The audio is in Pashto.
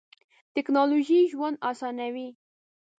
ټیکنالوژی ژوند اسانوی.